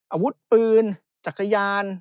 อาวุธปืนจักรยาน